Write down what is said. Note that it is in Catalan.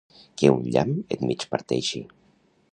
Que un llamp et migparteixi